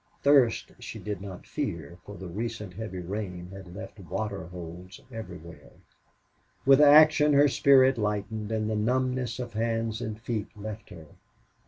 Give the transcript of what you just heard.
Thirst she did not fear, for the recent heavy rain had left waterholes everywhere. With action her spirit lightened and the numbness of hands and feet left her.